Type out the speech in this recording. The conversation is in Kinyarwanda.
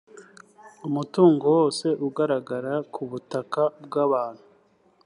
umutungo wose ugaragara ku butaka bw’abantu